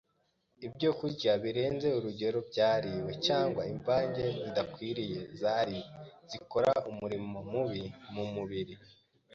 Ibyokurya birenze urugero byariwe, cyangwa imvange zidakwiriye zariwe zikora umurimo mubi mu mubiri.